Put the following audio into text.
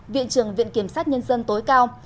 viện trường viện kiểm sát nhân dân tối cao